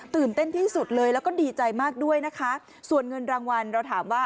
เต้นที่สุดเลยแล้วก็ดีใจมากด้วยนะคะส่วนเงินรางวัลเราถามว่า